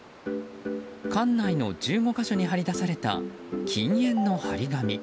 館内の１５か所に貼り出された禁煙の貼り紙。